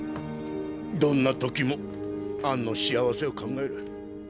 どんな時もアンの幸せを考える。